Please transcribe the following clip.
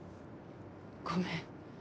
ごめん。